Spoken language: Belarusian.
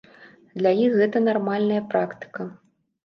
Для іх гэта нармальная практыка.